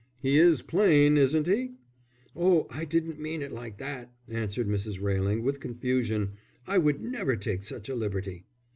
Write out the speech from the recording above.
"He is plain, isn't he?" "Oh, I didn't mean it like that," answered Mrs. Railing, with confusion, "I would never take such a liberty."